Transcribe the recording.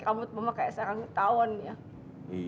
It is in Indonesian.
rambut mama kayak sarang ketahuan ya